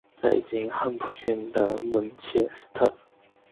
在今汉普郡的温切斯特。